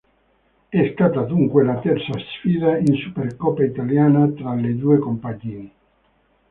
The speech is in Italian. È stata dunque la terza sfida in Supercoppa italiana tra le due compagini.